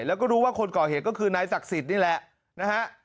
แล้วก็รู้ว่าคนก่อเหตุก็คือนายศักดิ์สิทธิ์นี่แหละนะฮะ